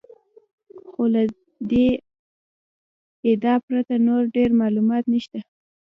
خو له دې ادعا پرته نور ډېر معلومات نشته.